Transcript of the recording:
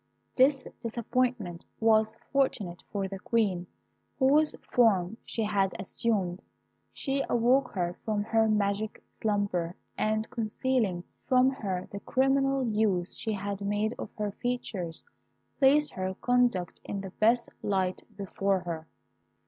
"This disappointment was fortunate for the Queen, whose form she had assumed. She awoke her from her magic slumber, and concealing from her the criminal use she had made of her features, placed her conduct in the best light before her.